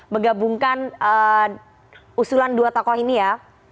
menggabungkan usulan dua tokoh ini ya